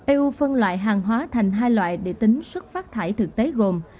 eu phân loại hàng hóa thành hai loại để tính xuất phát thải thực tế gồm